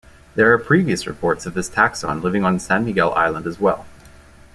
There are previous reports of this taxon living on San Miguel island as well.